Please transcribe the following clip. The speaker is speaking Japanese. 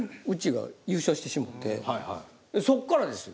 そっからですよ。